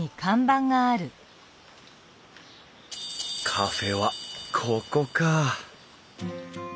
カフェはここか。